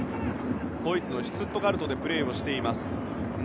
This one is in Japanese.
ドイツのシュトゥットガルトでプレーしています。